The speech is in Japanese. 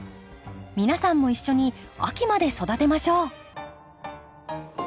皆さんも一緒に秋まで育てましょう。